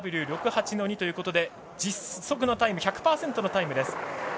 ＬＷ６／８−２ということで実測のタイム１００％のタイムです。